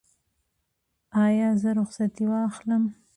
ایا زه رخصتي واخلم؟